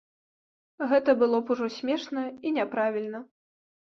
Гэта было б ужо смешна і няправільна.